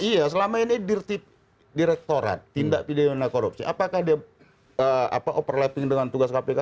iya selama ini direktorat tindak pidana korupsi apakah dia overlapping dengan tugas kpk